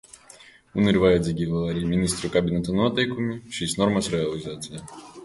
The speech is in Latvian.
Un ir vajadzīgi vēl arī Ministru kabineta noteikumi šīs normas realizācijai.